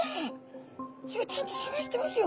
ちゃんとさがしてますよ！